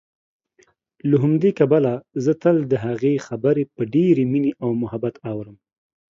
له همدې کبله زه تل دهغې خبرې په ډېرې مينې او محبت اورم